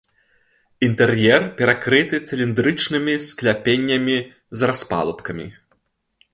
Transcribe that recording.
Інтэр'ер перакрыты цыліндрычнымі скляпеннямі з распалубкамі.